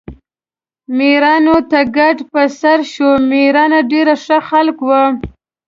میرانو ته کډه په سر شو، میران ډېر ښه خلک وو.